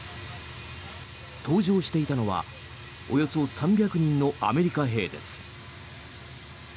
搭乗していたのはおよそ３００人のアメリカ兵です。